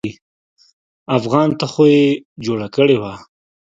افغان ته خو يې جوړه کړې وه.